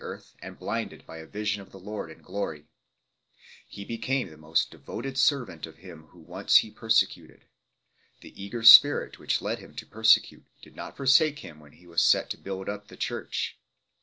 17 earth and blinded by a vision of the Lord in glory 1 ; he became the most devoted servant of Him whom once he persecuted. The eager spirit which led him to persecute did not forsake him when he was set to build up the church.